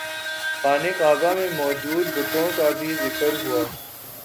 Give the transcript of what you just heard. خانہ کعبہ میں موجود بتوں کا بھی ذکر ہوا